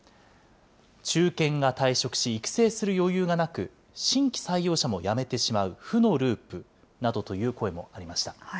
中堅が退職し、育成する余裕がなく、新規採用者も辞めてしまう負のループなどという声もありました。